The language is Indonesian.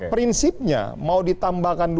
prinsipnya mau ditambahkan dua puluh